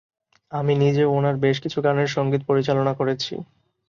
আমি নিজেও ওনার বেশ কিছু গানের সঙ্গীত পরিচালনা করেছি।